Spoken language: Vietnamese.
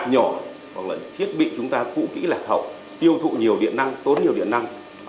hoặc là thiết bị chúng ta cũ kỹ là thầu tiêu thụ nhiều điện năng tốn nhiều điện năng